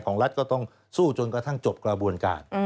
รัฐก็ต้องสู้จนกระทั่งจบกระบวนการ